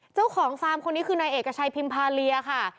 เจ้าของฟาร์มคนนี้คือนายเอกชัยพิมพาเลียค่ะ